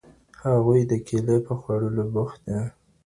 هغوی د کیلې په خوړلو بوخت دي.